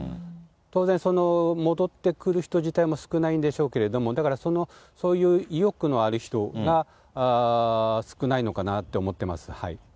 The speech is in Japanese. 当然、戻ってくる人自体も少ないんでしょうけれども、だからそういう意欲のある人が、少ないのかなって思ってます。